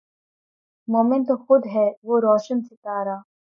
مومن تو خود ھے وہ روشن ستارا